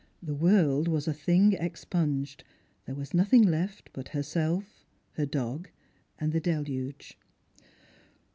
The world was a thing expunged ; there was nothing left but herself, her dog, and the deluge.